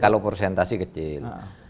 kalau persentasi kecil